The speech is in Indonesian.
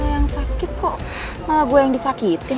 yang sakit kok malah gue yang disakitin